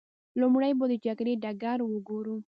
لومړی به د جګړې ډګر وګورو.